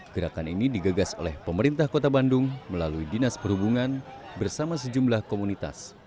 gerakan ini digegas oleh pemerintah kota bandung melalui dinas perhubungan bersama sejumlah komunitas